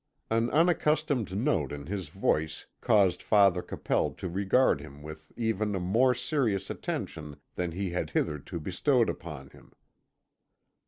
An unaccustomed note in his voice caused Father Capel to regard him with even a more serious attention than he had hitherto bestowed upon him.